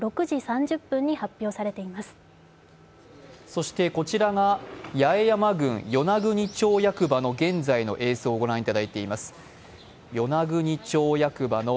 そしてこちらが八重山郡与那国町役場の現在の映像をご覧いただいています。